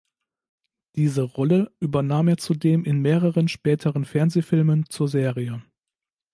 Diese Rolle übernahm er zudem in mehreren späteren Fernsehfilmen zur Serie.